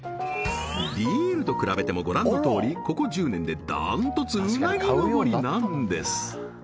ビールと比べてもご覧のとおりここ１０年で断トツうなぎ上りなんです！